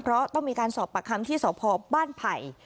เพราะต้องมีการสอบปากคำที่สพบ้านไผ่